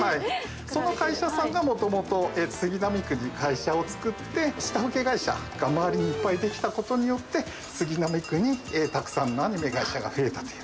その会社さんがもともと杉並区に会社を作って下請け会社が周りにいっぱい出来たことによって杉並区にたくさんのアニメ会社が増えたという。